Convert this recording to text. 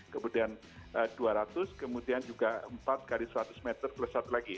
kemudian dua ratus kemudian juga empat kali seratus meter plus satu lagi